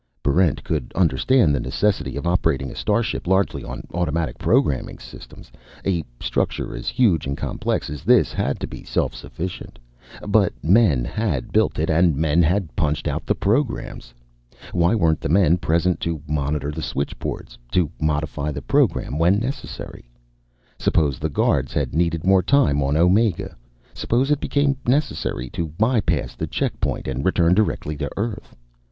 Barrent could understand the necessity of operating a starship largely on an automatic programming system. A structure as huge and complex as this had to be self sufficient. But men had built it, and men had punched out the programs. Why weren't men present to monitor the switchboards, to modify the program when necessary? Suppose the guards had needed more time on Omega? Suppose it became necessary to by pass the checkpoint and return directly to Earth?